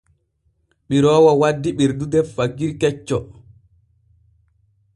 Ɓiroowo waddi ɓirdude fagiri kecce.